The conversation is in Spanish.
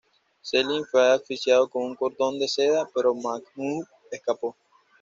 Selim fue asfixiado con un cordón de seda, pero Mahmud escapó.